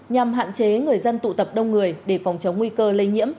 nhằm hạn chế người dân tụ tập đông người để phòng chống nguy cơ lây nhiễm